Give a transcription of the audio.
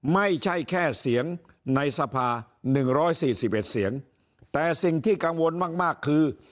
ไม่ใช่แค่เสียงในสภา๑๔๑เสียงแต่สิ่งที่กังวลมากมากคือ